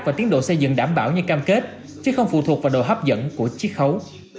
và tiến độ xây dựng đảm bảo như cam kết chứ không phụ thuộc vào độ hấp dẫn của chiếc khấu